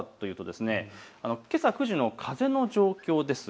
けさ９時の風の状況です。